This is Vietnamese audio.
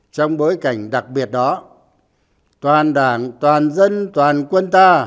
trong bối cảnh đặc biệt đó toàn đảng toàn dân toàn quân ta